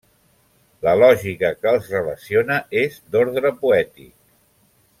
La lògica que els relaciona és d'ordre poètic.